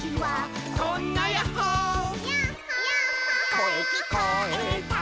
「こえきこえたら」